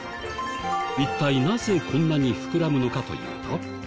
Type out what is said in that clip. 一体なぜこんなに膨らむのかというと。